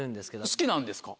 好きなんですか？